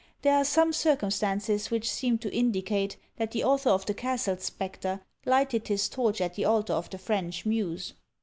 There are some circumstances which seem to indicate that the author of the Castle Spectre lighted his torch at the altar of the French muse.